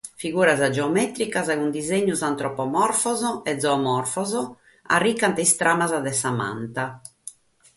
Figuras geomètricas cun disinnos antropomorfos e zoomorfos arricant sas tramas de sa manta.